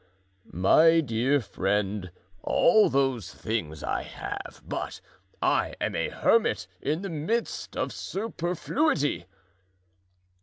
"My dear friend, all those things I have, but I am a hermit in the midst of superfluity."